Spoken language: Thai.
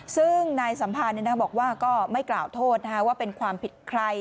ซึ่งนายสัมพันธ์บอกว่าก็ไม่กล่าวโทษว่าเป็นความผิดใคร